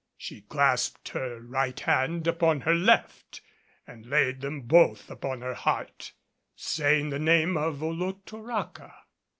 She clasped her right hand upon her left and laid them both upon her heart, saying the name of Olotoraca.